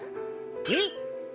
えっ？